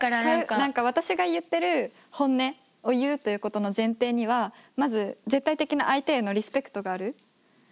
何か私が言ってる本音を言うということの前提にはまず絶対的な相手へのリスペクトがある。